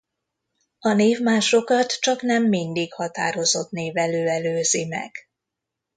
A névmásokat csaknem mindig határozott névelő előzi meg.